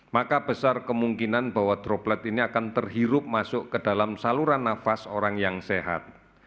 maka besar kemungkinan bahwa droplet ini akan terhirup masuk ke dalam saluran nafas orang yang sehat